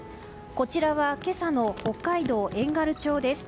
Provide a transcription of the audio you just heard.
こちらは今朝の北海道遠軽町です。